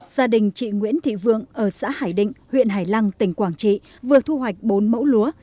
gia đình chị nguyễn thị vương ở xã hải định huyện hải lăng tỉnh quảng trị vừa thu hoạch bốn mẫu lúa